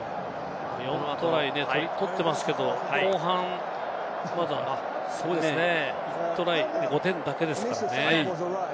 ４トライ取っていますけれども、後半まだ１トライで５点だけですからね。